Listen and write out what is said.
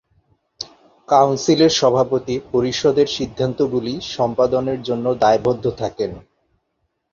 কাউন্সিলের সভাপতি, পরিষদের সিদ্ধান্তগুলি সম্পাদনের জন্য দায়বদ্ধ থাকেন।